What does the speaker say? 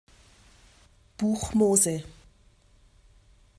Buch Mose.